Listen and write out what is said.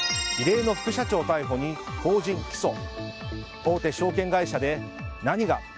異例の副社長逮捕に法人起訴大手証券会社で何が？